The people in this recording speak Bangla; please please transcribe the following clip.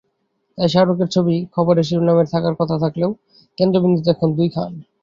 তাই শাহরুখের ছবি খবরের শিরোনামে থাকার কথা থাকলেও, কেন্দ্রবিন্দুতে এখন দুই খান।